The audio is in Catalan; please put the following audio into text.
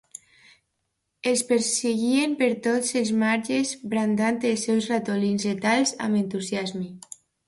Els perseguien per tots els marges brandant els seus ratolins letals amb entusiasme.